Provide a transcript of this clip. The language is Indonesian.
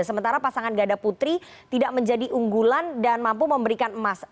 sementara pasangan ganda putri tidak menjadi unggulan dan mampu memberikan emas